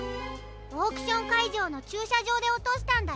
オークションかいじょうのちゅうしゃじょうでおとしたんだよ。